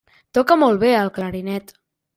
Toca molt bé el clarinet.